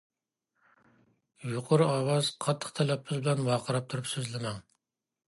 يۇقىرى ئاۋاز، قاتتىق تەلەپپۇز بىلەن ۋارقىراپ تۇرۇپ سۆزلىمەڭ.